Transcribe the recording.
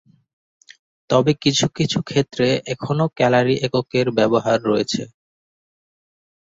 তবে কিছু কিছু ক্ষেত্রে এখনো ক্যালরি এককের ব্যবহার রয়েছে।